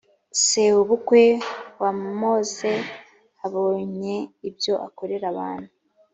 sebukwe wa mose abonye ibyo akorera abantu